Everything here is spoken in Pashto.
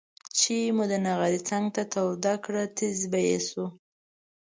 چې مو د نغري څنګ ته توده کړه تيزززز به یې شو.